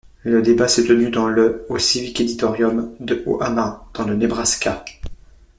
Le débat s'est tenu le au Civic Auditorium de Omaha dans le Nebraska.